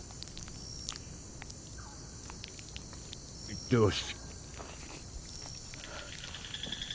行ってよし。